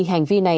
hành vi này